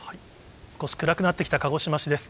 少し暗くなってきた鹿児島市です。